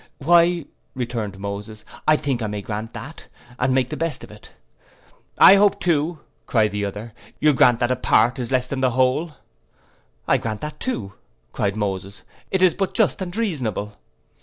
'—'Why,' returned Moses, 'I think I may grant that, and make the best of it.'—'I hope too,' returned the other, 'you'll grant that a part is less than the whole.' 'I grant that too,' cried Moses, 'it is but just and reasonable.